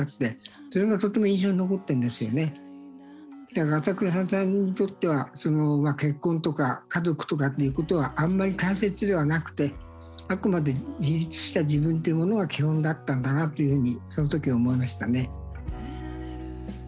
だから朝倉さんにとっては結婚とか家族とかっていうことはあんまり大切ではなくてあくまで自立した自分というものが基本だったんだなというふうにその時思いましたね。